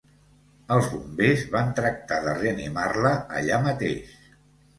Els bombers van tractar de reanimar-la allà mateix.